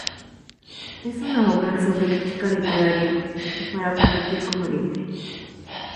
Es una obra sobre crítica literaria, para competir con Oriente.